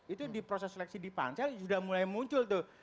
itu di proses seleksi di pansel sudah mulai muncul tuh